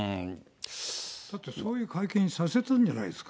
だってそういう会見させたんじゃないですか。